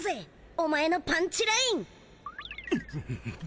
お前のパンチライン！